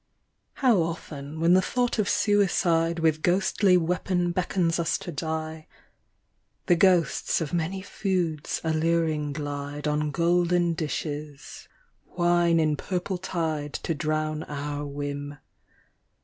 HOW often, when the thought of suicide With ghostly weapon beckons us to die, The ghosts of many foods alluring glide On golden dishes, wine in purple tide To drown our whim.